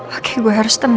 oke gue harus tenang